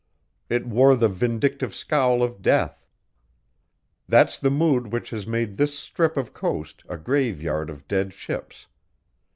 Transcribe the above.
It wore the vindictive scowl of death. That's the mood which has made this strip of coast a grave yard of dead ships.